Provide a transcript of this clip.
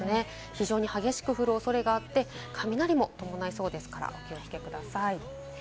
非常に激しく降るおそれがあって、雷を伴いそうですから、お気をつけください。